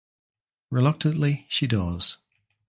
Reluctantly she does.